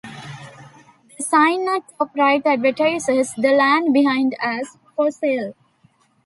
The sign at top right advertises the land behind as for sale.